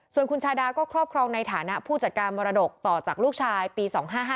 ส่วนคุณชาดาก็ครอบครองในฐานะผู้จัดการมรดกต่อจากลูกชายปี๒๕๕